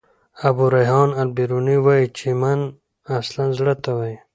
ابو ریحان البروني وايي چي: "من" اصلاً زړه ته وايي.